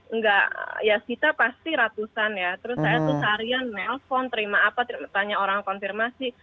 enggak ya kita pasti ratusan ya terus saya tuh seharian nelpon terima apa tanya orang konfirmasi